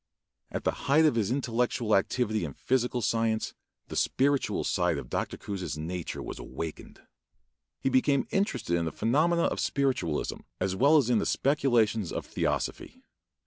At the height of his intellectual activity in physical science the spiritual side of Dr. Coues' nature was awakened. He became interested in the phenomena of spiritualism, as well as in the speculations of theosophy.